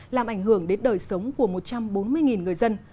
làm ảnh hưởng đến đời sống của một trăm bốn mươi người dân